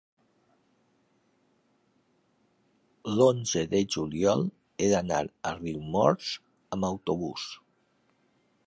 l'onze de juliol he d'anar a Riumors amb autobús.